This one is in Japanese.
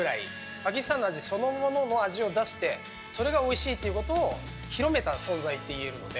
パキスタンの味そのものの味を出してそれがおいしいということを広めた存在といえるので。